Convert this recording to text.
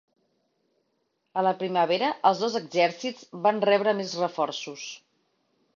A la primavera, els dos exèrcits van rebre més reforços.